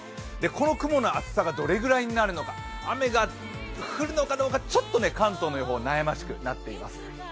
この雲の厚さがどれぐらいになるのか、雨が降るのかどうかちょっと関東の予報悩ましくなっています。